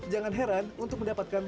jangan heran untuk mendapatkan